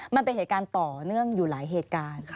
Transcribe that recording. มันเป็นเหตุการณ์ต่อเนื่องอยู่หลายเหตุการณ์